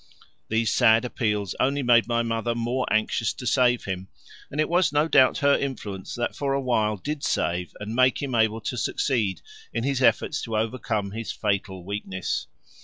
These sad appeals only made my mother more anxious to save him, and it was no doubt her influence that for a while did save and make him able to succeed in his efforts to overcome his fatal weakness.